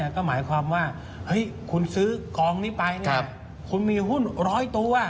ก็หมายความว่าคุณซื้อกองนี้ไปคุณมีหุ้น๑๐๐ตัว